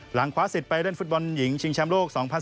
คว้าสิทธิ์ไปเล่นฟุตบอลหญิงชิงแชมป์โลก๒๐๑๙